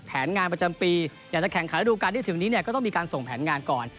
แผนงานประจำปีอยากจะแข่งขันระดูการที่ถึงนี้เนี่ยก็ต้องมีการส่งแผนงานก่อน